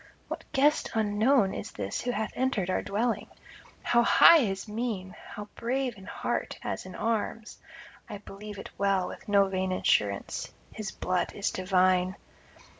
What guest unknown is this who hath entered our dwelling? How high his mien! how brave in heart as in arms! I believe it well, with no vain assurance, his blood is divine.